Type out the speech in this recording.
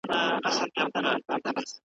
څه ګل غونډۍ وه څه بهارونه .